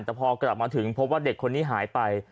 แต่พอกลับมาถึงพบว่าเด็กคนนี้หายไป